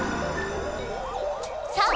さあ！